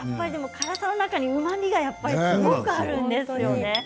辛さの中にうまみがあるんですよね。